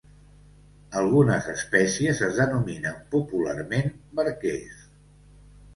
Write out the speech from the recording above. Algunes espècies es denominen popularment barquers.